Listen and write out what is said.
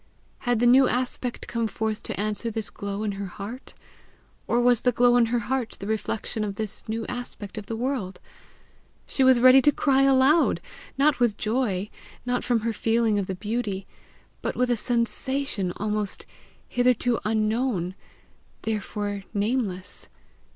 Had the new aspect come forth to answer this glow in her heart, or was the glow in her heart the reflection of this new aspect of the world? She was ready to cry aloud, not with joy, not from her feeling of the beauty, but with a SENSATION almost, hitherto unknown, therefore nameless.